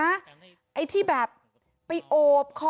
ไอ้ที่แบบไปโอบคอ